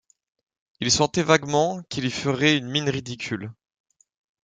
Il sentait vaguement qu’il y ferait une mine ridicule.